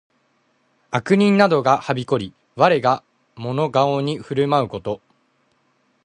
悪人などがはびこり、我がもの顔に振る舞うこと。